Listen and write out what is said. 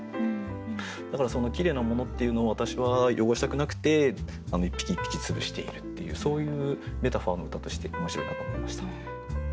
だからきれいなものっていうのを私は汚したくなくて一匹一匹つぶしているっていうそういうメタファーの歌として面白いなと思いました。